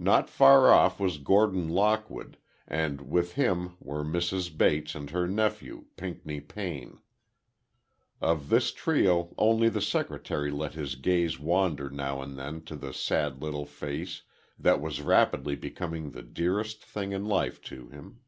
Not far off was Gordon Lockwood, and with him were Mrs. Bates and her nephew, Pinckney Payne. Of this trio only the secretary let his gaze wander now and then to the sad little face that was rapidly becoming the dearest thing in life to him.